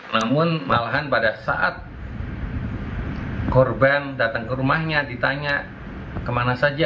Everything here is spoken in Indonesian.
namun malahan pada saat korban datang ke rumahnya ditanya kemana saja